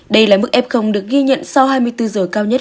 đây là mức f được ghi nhận sau hai mươi bốn giờ cao nhất